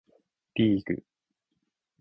リーグ